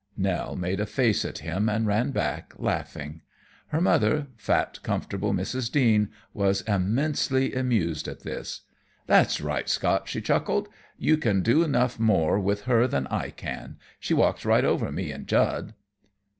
Nell made a face at him and ran back, laughing. Her mother, fat, comfortable Mrs. Deane, was immensely amused at this. "That's right, Scott," she chuckled. "You can do enough more with her than I can. She walks right over me an' Jud."